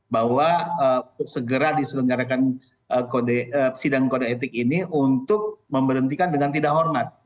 bahwa segera diselenggarakan sidang kode etik ini untuk memberhentikan dengan tidak hormat